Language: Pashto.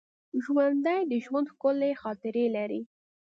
ژوندي د ژوند ښکلي خاطرې لري